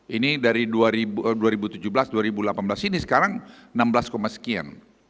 ini dari dua ribu tujuh belas dua ribu delapan belas ini sekarang enam belas sekian